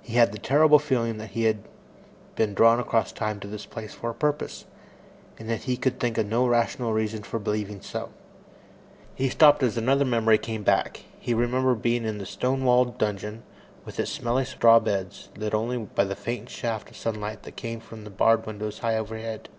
He had the terrible feeling that he had been drawn across time to this place for a purpose, and yet he could think of no rational reason for believing so. He stopped as another memory came back. He remembered being in the stone walled dungeon, with its smelly straw beds, lit only by the faint shaft of sunlight that came from the barred window high overhead.